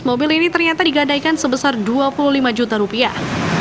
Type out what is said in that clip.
mobil ini ternyata digadaikan sebesar dua puluh lima juta rupiah